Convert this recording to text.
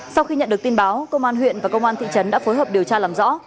sau khi nhận được tin báo công an huyện và công an thị trấn đã phối hợp điều tra làm rõ